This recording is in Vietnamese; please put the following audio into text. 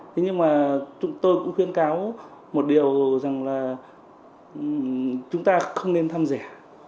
thế nhưng mà chúng tôi cũng khuyên cáo một điều rằng là chúng ta không nên thăm rẻ